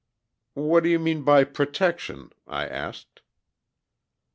"What do you mean by protection?" I asked.